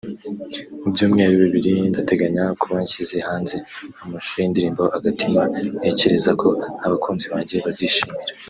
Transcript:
Mu byumweru bibiri ndateganya kuba nshyize hanze amashusho y’indirimbo Agatima ntekereza ko abakunzi banjye bazishimira”